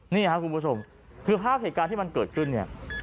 นี่ครับคุณผู้ชมคือภาพเหตุการณ์ที่มันเกิดขึ้นเนี่ย